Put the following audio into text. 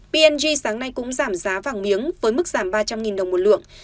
p g sáng nay cũng giảm giá vàng miếng với mức giảm ba trăm linh đồng một lượng